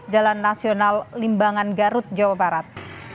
jalan nasional limbangan garut jawa barat